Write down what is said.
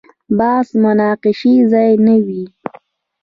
بحث مناقشې ځای نه وي.